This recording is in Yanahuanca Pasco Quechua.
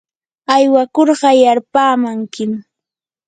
aywakurqa yarpaamankim.